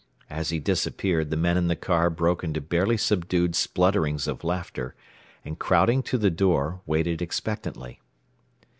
As he disappeared the men in the car broke into barely subdued splutterings of laughter, and crowding to the door, waited expectantly.